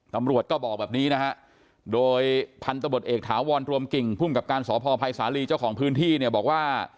ตำรวจก็บอกแบบนี้นะฮะโดยพันธบทเอกถาวรรวมกิ่งภูมิกับการสพภัยสาลีเจ้าของพื้นที่เนี่ยบอกว่า